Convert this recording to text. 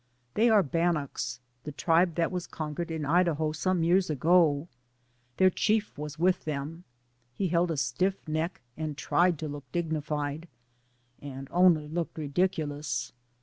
They are Bannocks, the tribe that was conquered in Idaho some years ago. Their chief was with them. He held a stiff neck and tried to look dignified, and only looked ridiculous.